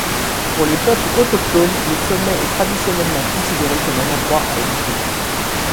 Pour les peuples autochtones le sommet est traditionnellement considéré comme un endroit à éviter.